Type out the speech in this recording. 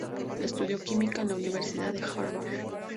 Estudió química en la universidad de Harvard.